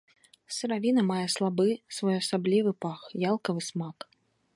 Сыравіна мае слабы своеасаблівы пах, ялкавы смак.